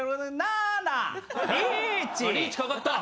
あっリーチかかった！